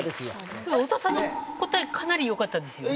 太田さんの答えかなりよかったですよね。